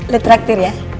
lihat traktir ya